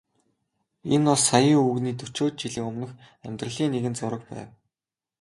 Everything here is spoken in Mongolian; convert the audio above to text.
Энэ бол саяын өвгөний дөчөөд жилийн өмнөх амьдралын нэгэн зураг байв.